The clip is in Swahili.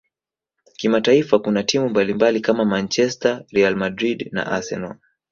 kimataifa kuna timu mbalimbali kama manchester real Madrid na arsenal